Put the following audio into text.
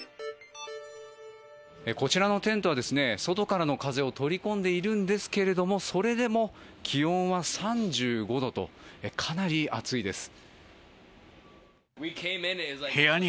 こちらのテントは外からの風を取り込んでいるんですけどもそれでも気温は３５度とかなり暑いです。